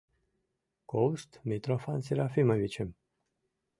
— Колышт Митрофан Серафимовичым.